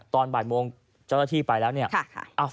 ตอนบ่ายโมงเจ้าหน้าที่ไปแล้วเนี่ยค่ะค่ะอ่า